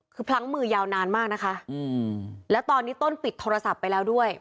คือพลั้งมือยาวนานมากนะคะแล้วตอนนี้ต้นปิดโทรศัพท์ไปแล้วด้วย